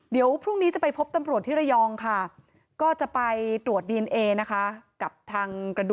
เดี๋ยวพรุ่งนี้จะไปพบตำรวจที่ระยองค่ะ